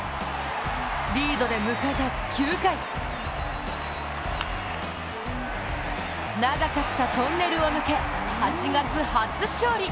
リードで迎えた９回長かったトンネルを抜け、８月初勝利。